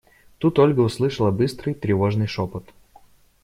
Тут Ольга услышала быстрый, тревожный шепот.